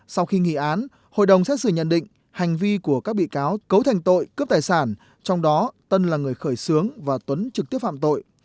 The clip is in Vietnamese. sau khi nghị án hội đồng xét xử nhận định hành vi của các bị cáo cấu thành tội cướp tài sản trong đó tân là người khởi xướng và tuấn trực tiếp phạm tội